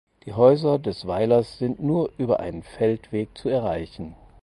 Die Häuser des Weilers sind nur über einen Feldweg zu erreichen.